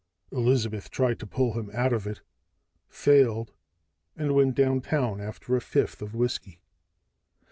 Elizabeth tried to pull him out of it, failed, and went downtown after a fifth of whiskey.